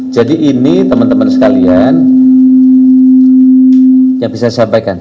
jadi ini teman teman sekalian yang bisa disampaikan